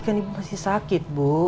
kan ibu masih sakit bu